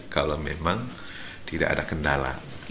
kalau memang tidak ada kendala